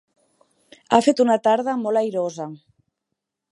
Ha fet una tarda molt airosa.